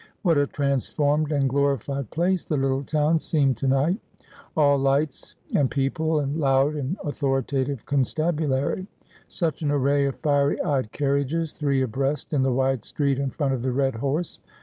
What a transformed and glorified place the little town seemed to night — all lights, and people, and loud and authoritative con stabulary ! such an array of fiery eyed carriages, three abreast in the wide street in front of The lied Horse